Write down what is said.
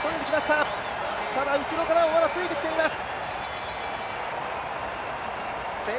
ただ後ろからはまだついてきています。